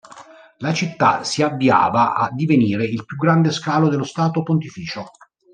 La città si avviava a divenire il più grande scalo dello Stato Pontificio.